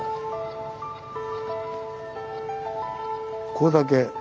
これだけ。